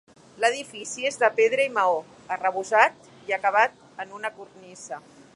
L'edifici és de pedra i maó, arrebossat, i acabat en una cornisa.